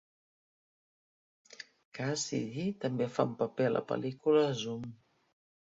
Cassidy també fa un paper a la pel·lícula "Zoom".